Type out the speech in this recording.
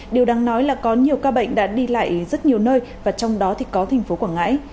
điều đáng nói là có nhiều ca bệnh đã đi lại rất nhiều nơi và trong đó thì có thành phố quảng ngãi